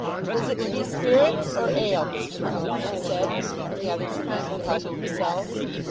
"Is it to be spirits or ale, Mr. Crumb?" she said, when the other two men had helped themselves.